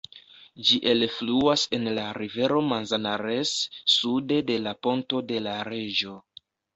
Ĝi elfluas en la rivero Manzanares, sude de la Ponto de la Reĝo.